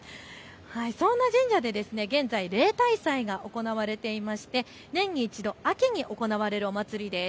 そんな神社で現在、例大祭が行われていまして年に１度、秋に行われるお祭りです。